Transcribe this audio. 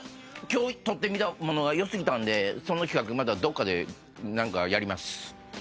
今日撮ってみたものが良過ぎたんでその企画またどっかで何かやります。